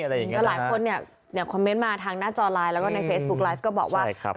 แล้วหลายคนเนี่ยคอมเมนต์มาทางหน้าจอไลน์แล้วก็ในเฟซบุ๊กไลฟ์ก็บอกว่า